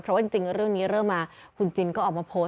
เพราะว่าจริงเรื่องนี้เริ่มมาคุณจินก็ออกมาโพสต์